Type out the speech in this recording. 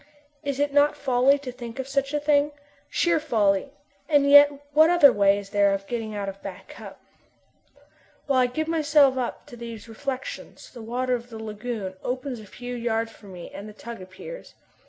Is it not folly to think of such a thing? Sheer folly, and yet what other way is there of getting out of Back Cup? While I give myself up to these reflections the water of the lagoon opens a few yards from me and the tug appears.